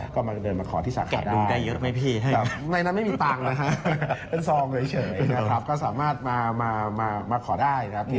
ก็มาเดินฝากขอที่สาขาดนี่